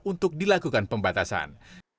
untuk dilakukan pembatasan